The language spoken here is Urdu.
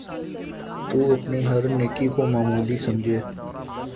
تو اپنی ہر نیکی کو معمولی سمجھے